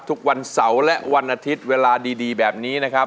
ทุกวันเสาร์และวันอาทิตย์เวลาดีแบบนี้นะครับ